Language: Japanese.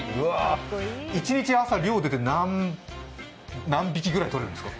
一日、朝に漁に出て何匹ぐらいとれるんですか？